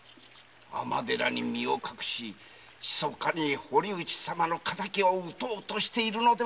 尼寺に身を隠してひそかに敵を討とうとしているのでは！？